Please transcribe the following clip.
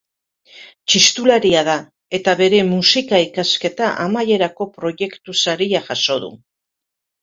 Txistularia da eta bere musika ikasketa amaierako proiektusaria jaso du.